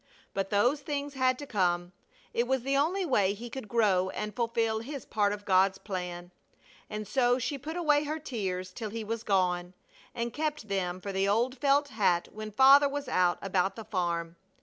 But those things had to come. It was the only way he could grow and fulfil his part of God's plan. And so she put away her tears till he was gone, and kept them for the old felt hat when Father was out about the farm.